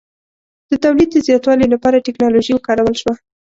د تولید د زیاتوالي لپاره ټکنالوژي وکارول شوه.